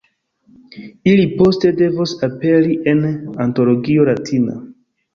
Ili poste devos aperi en Antologio Latina.